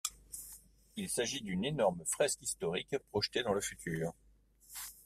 Il s'agit d'une énorme fresque historique projetée dans le futur.